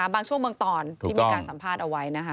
บางช่วงบางตอนที่มีการสัมภาษณ์เอาไว้นะคะ